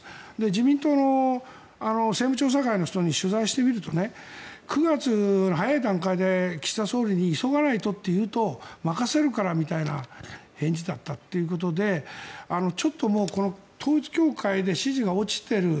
自民党の政務調査会の人に取材してみると９月の早い段階で岸田総理に急がないとと言うと任せるからみたいな返事だったということでちょっともう、この統一教会で支持が落ちている。